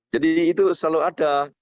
jadi itu selalu ada